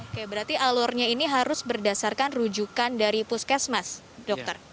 oke berarti alurnya ini harus berdasarkan rujukan dari puskesmas dokter